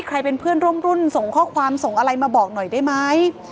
ใครเป็นเพื่อนร่วมรุ่นส่งข้อความส่งอะไรมาบอกหน่อยได้ไหม